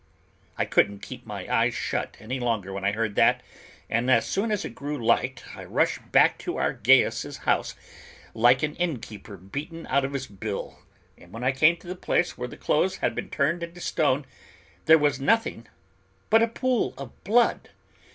I couldn't keep my eyes shut any longer when I heard that, and as soon as it grew light, I rushed back to our Gaius' house like an innkeeper beaten out of his bill, and when I came to the place where the clothes had been turned into stone, there was nothing but a pool of blood!